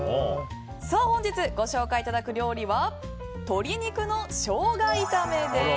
本日ご紹介いただく料理は鶏肉のショウガ炒めです。